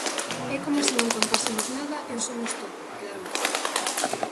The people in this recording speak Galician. É coma se non contásemos nada e o somos todo, declarou.